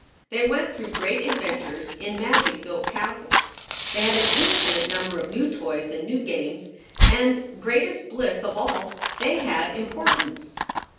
They went through great adventures in magic built castles. They had an infinite number of new toys and new games, and, greatest bliss of all, they had importance.